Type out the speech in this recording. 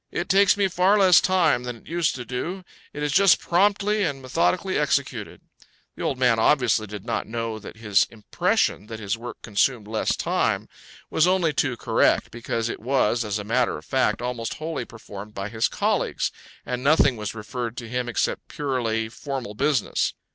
It takes me far less time than it used to do; it is just promptly and methodically executed." The old man obviously did not know that his impression that his work consumed less time was only too correct, because it was, as a matter of fact, almost wholly performed by his colleagues, and nothing was referred to him except purely formal business.